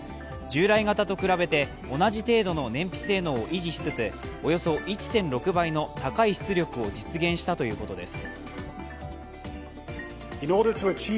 従来型と比べて同じ程度の燃費性能を維持しつつおよそ１．６倍の高い出力を実現したということです。